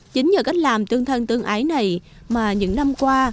chính nhờ cách làm tương thân tương ái này mà những năm qua